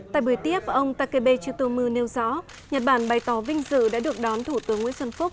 tại buổi tiếp ông takebe chutomu nêu rõ nhật bản bày tỏ vinh dự đã được đón thủ tướng nguyễn xuân phúc